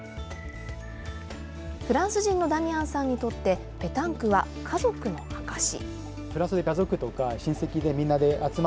フランス人のダミアンさんにとって、ペタンクは家族の証し。